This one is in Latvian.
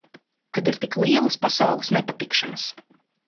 Kad ir tik lielas pasaules nepatikšanas.